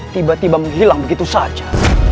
tiba tiba menghilang begitu saja